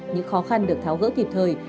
những khó khăn được tháo gỡ kịp thời